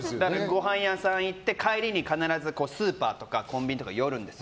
ごはん屋さんに行って帰りに必ずスーパーとかコンビニ寄るんです。